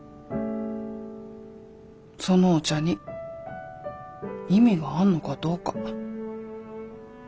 そのお茶に意味があんのかどうか。